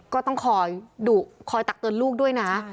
ก็ต้องคอยดุคอยตักเตือนลูกด้วยนะ